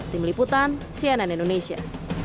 tim liputan cnn indonesia